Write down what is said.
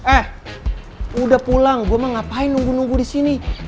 eh udah pulang gua mah ngapain nunggu nunggu disini